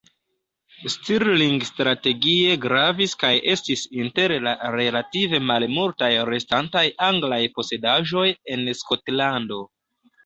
Stirling strategie gravis kaj estis inter la relative malmultaj restantaj anglaj posedaĵoj en Skotlando.